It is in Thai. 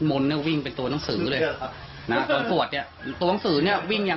มนน่ะวิ่งเป็นตัวหนังสือเลยตัวหนังสือเนี่ยวิ่งอย่าง